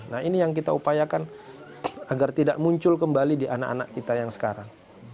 nah ini yang kita upayakan agar tidak muncul kembali di anak anak kita yang sekarang